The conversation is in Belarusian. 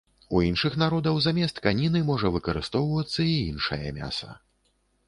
У іншых народаў замест каніны можа выкарыстоўвацца і іншае мяса.